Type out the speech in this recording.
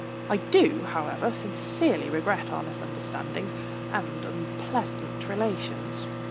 I do, however, sincerely regret our misunderstandings and unpleasant relations.